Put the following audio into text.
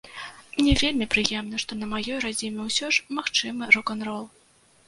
Мне вельмі прыемна, што на маёй радзіме ўсё ж магчымы рок-н-рол.